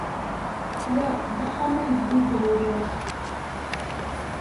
Wa d axxam aydeg d-luleɣ.